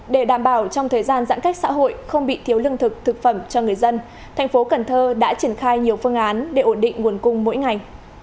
để đảm bảo trong thời gian giãn cách xã hội không bị thiếu lương thực thực phẩm cho người dân tp hcm đã triển khai nhiều phương án để ổn định nguồn cung mỗi ngày